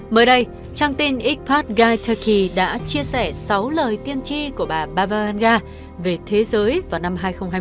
mới đây trang tin x pod guide turkey đã chia sẻ sáu lời tiên tri của bà văn gà về thế giới vào năm hai nghìn hai mươi bốn